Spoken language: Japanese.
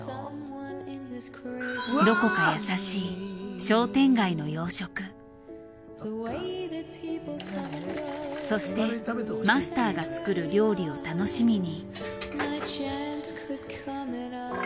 どこか優しいそしてマスターが作る料理を楽しみに。